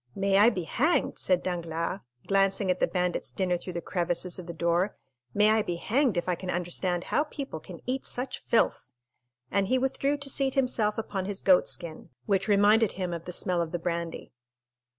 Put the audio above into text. "May I be hanged," said Danglars, glancing at the bandit's dinner through the crevices of the door,—"may I be hanged if I can understand how people can eat such filth!" and he withdrew to seat himself upon his goat skin, which reminded him of the smell of the brandy.